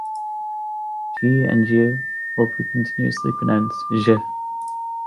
Ji and Jia will be continuously pronounced as Xia.